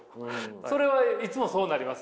それはいつもそうなります？